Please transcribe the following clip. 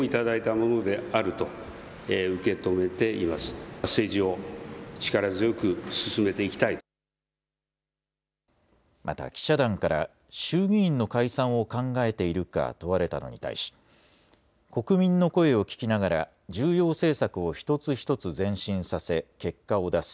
補欠選挙の結果について岸田総理大臣は。また記者団から衆議院の解散を考えているか問われたのに対し国民の声を聞きながら重要政策を一つ一つ前進させ結果を出す。